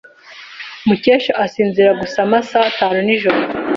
Mukesha asinzira gusa amasaha atanu nijoro.